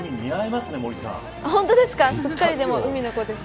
すっかり海の子です。